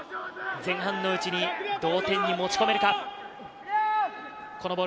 前半のうちに同点に持ち込めるか。